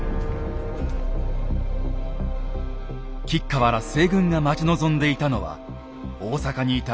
吉川ら西軍が待ち望んでいたのは大坂にいた